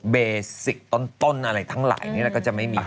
เบสิกต้นอะไรทั้งหลายก็จะไม่มี